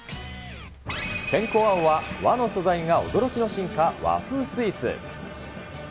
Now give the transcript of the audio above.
先攻、青は和の素材が驚きの進化、和風スイーツ。